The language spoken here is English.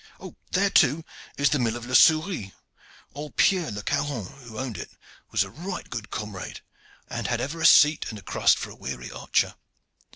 There, too, is the mill of Le Souris. Old Pierre Le Caron, who owned it, was a right good comrade, and had ever a seat and a crust for a weary archer.